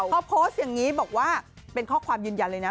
เขาโพสต์อย่างนี้บอกว่าเป็นข้อความยืนยันเลยนะ